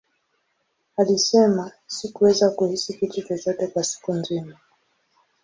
Alisema, Sikuweza kuhisi kitu chochote kwa siku nzima.